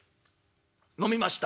のみました」。